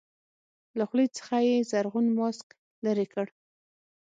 له خولې څخه يې زرغون ماسک لرې کړ.